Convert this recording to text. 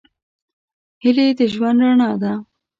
هیلې د ژوند رڼا ده.